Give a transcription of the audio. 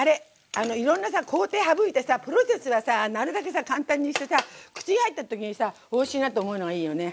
いろんなさ工程省いてさプロセスがさなるべくさ簡単にしてさ口に入った時にさおいしいなって思えるのがいいよね。